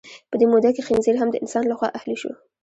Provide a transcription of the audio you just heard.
په دې موده کې خنزیر هم د انسان لخوا اهلي شو.